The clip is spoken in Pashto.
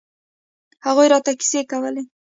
هغوى راته کيسې کولې.